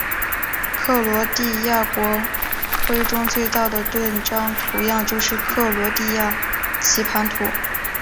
克罗地亚国徽中最大的盾章图样就是克罗地亚棋盘图。